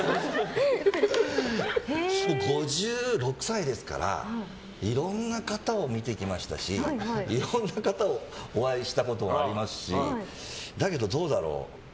５６歳ですからいろんな方を見てきましたしいろんな方にお会いしたことがありますしだけど、どうだろう。